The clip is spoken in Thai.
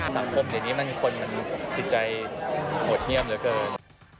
สังคมเดี๋ยวนี้มันคนมันจิตใจโหดเยี่ยมเหลือเกิน